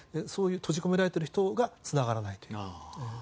そういう閉じ込められている人がつながらないと。